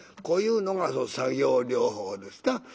こういうのが作業療法ですな。